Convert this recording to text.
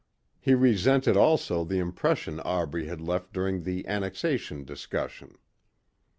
He resented also the impression Aubrey had left during the Annexation discussion.